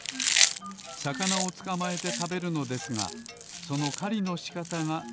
さかなをつかまえてたべるのですがそのかりのしかたがすこしかわっています